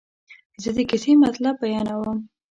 زه د کیسې مطلب بیانوم.